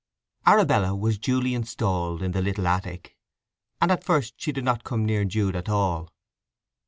Arabella was duly installed in the little attic, and at first she did not come near Jude at all.